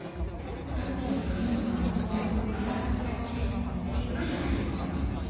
ハグキにクリームがまとわりつくから成分がじっくり入り込む。